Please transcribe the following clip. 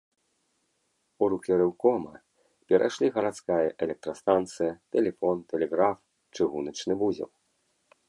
У рукі рэўкома перайшлі гарадская электрастанцыя, тэлефон, тэлеграф, чыгуначны вузел.